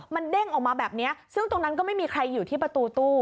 มันเด้งออกมาแบบนี้ซึ่งตรงนั้นก็ไม่มีใครอยู่ที่ประตูตู้